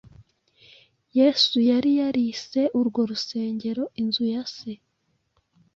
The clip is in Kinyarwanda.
Yesu yari yarise urwo rusengero Inzu ya Se;